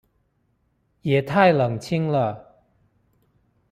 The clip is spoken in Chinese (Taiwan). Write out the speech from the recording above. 也太冷清了